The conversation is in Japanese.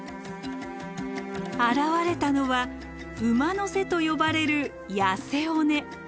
現れたのは「馬の背」と呼ばれる痩せ尾根。